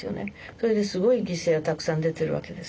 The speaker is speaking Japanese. それですごい犠牲がたくさん出てるわけですね。